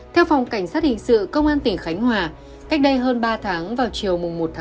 theo phòng cảnh sát hình sự công an tỉnh khánh hòa cách đây hơn ba tháng vào chiều một tám